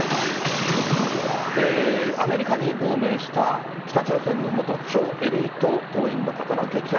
アメリカに亡命した北朝鮮の元超エリート党員の方の激白